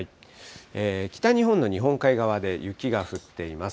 北日本の日本海側で雪が降っています。